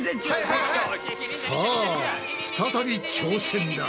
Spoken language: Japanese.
さあ再び挑戦だ。